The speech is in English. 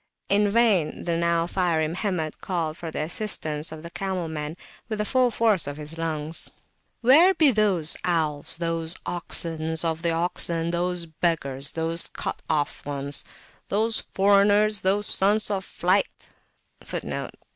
In vain the now fiery Mohammed called for the assistance of the camel men with the full force of his lungs: "Where be those owls, those oxen of the oxen, those beggars, those cut off ones, those foreigners, those Sons of Flight[FN#13]?